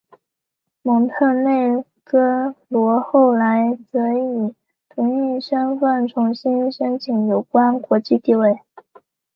蒙特内哥罗后来则以独立身份重新申请有关国际地位。